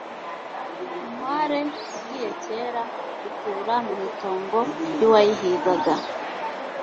inkware (igiye cyera) itura mu itongo ry'uwayihigaga